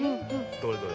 どれどれ？